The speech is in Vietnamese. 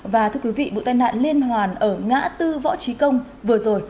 và thưa quý vị vụ tai nạn liên hoàn ở ngã tư võ trí công vừa rồi